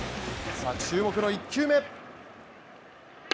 注目の１球目。